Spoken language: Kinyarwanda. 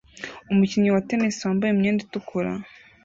Umukinnyi wa tennis wambaye imyenda itukura